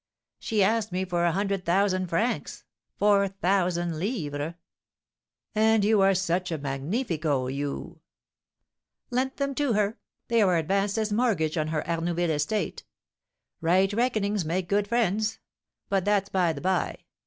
"She asked me for a hundred thousand francs (4,000_l._)." "And you are such a magnifico you " "Lent them to her; they are advanced as mortgage on her Arnouville estate. Right reckonings make good friends, but that's by the by.